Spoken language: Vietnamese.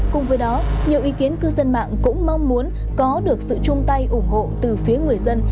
cùng với đó nhiều ý kiến cư dân mạng cũng mong muốn có được sự chung tay ủng hộ từ phía người dân